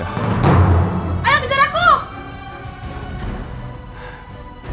ayah pindah ke aku